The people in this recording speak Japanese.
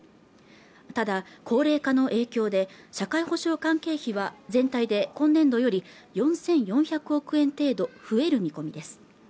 ただ高齢化の影響で社会保障関係費は全体で今年度より４４００億円程度増える見込みです